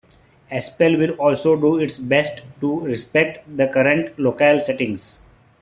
Aspell will also do its best to respect the current locale setting.